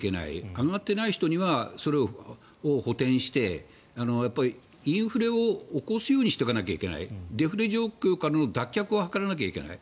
上がっていない人にはそれを補てんしてインフレを起こすようにしとかないといけないデフレ状況からの脱却を図らないといけない。